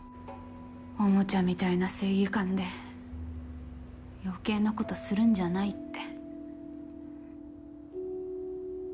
おもちゃみたいな正義感で余計なことするんじゃないって。